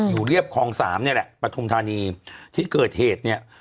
เรียบคลองสามนี่แหละปฐุมธานีที่เกิดเหตุเนี่ย